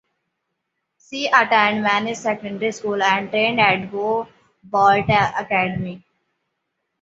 She attended Magee Secondary School and trained at Goh Ballet Academy.